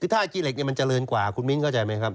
ท่าขี้เหล็กมันเจริญกว่าคุณมิ้นเข้าใจไหมครับ